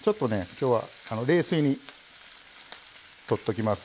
きょうは冷水にとっときます。